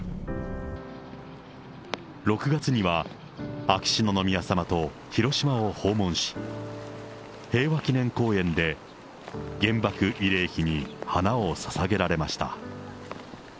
６月には秋篠宮さまと広島を訪問し、平和記念公園で原爆慰霊碑に花をささげられました。